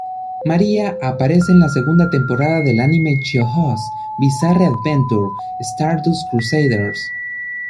Mariah aparece en las segunda temporadas del anime JoJo's Bizarre Adventure: Stardust Crusaders.